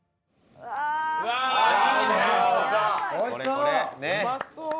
うまそう！